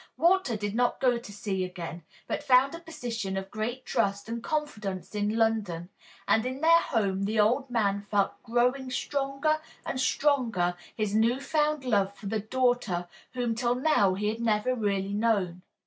Walter did not go to sea again, but found a position of great trust and confidence in London, and in their home the old man felt growing stronger and stronger his new found love for the daughter whom till now he had never really known.